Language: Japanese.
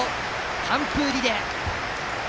完封リレー！